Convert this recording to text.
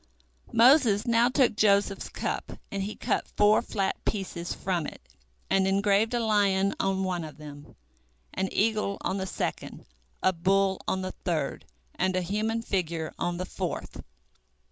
Moses now took Joseph's cup, and he cut four flat pieces from it, and engraved a lion on one of them, an eagle on the second, a bull on the third, and a human figure on the fourth.